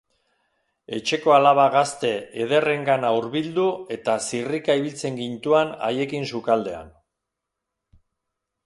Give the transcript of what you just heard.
Etxeko alaba gazte ederrengana hurbildu, eta zirrika ibiltzen gintuan haiekin sukaldean.